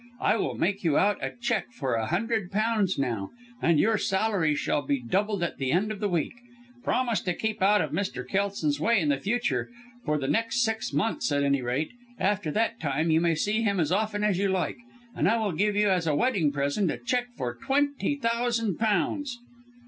I will make you out a cheque for a hundred pounds now and your salary shall be doubled at the end of this week. Promise to keep out of Mr. Kelson's way in future for the next six months at any rate after that time you may see him as often as you like and I will give you as a wedding present a cheque for twenty thousand pounds!"